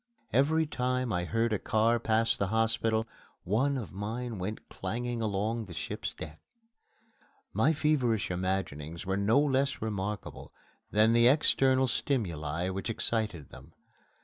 Every time I heard a car pass the hospital, one of mine went clanging along the ship's deck. My feverish imaginings were no less remarkable than the external stimuli which excited them.